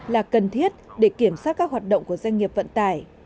là cần thiết để kiểm soát các hoạt động của doanh nghiệp vận tải